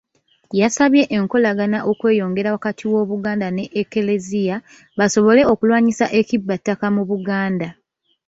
Yasabye enkolagana okweyongera wakati w'Obuganda n'Eklezia, basobole okulwanyisa ekibbattaka mu Buganda.